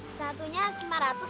satunya lima ratus bu